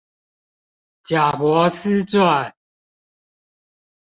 賈伯斯傳